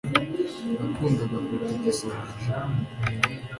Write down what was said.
nakundaga kugutigisa buri joro